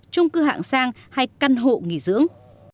trung cư hạng sang hay căn hộ nghỉ dưỡng